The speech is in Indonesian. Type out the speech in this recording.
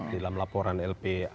di dalam laporan lp lpi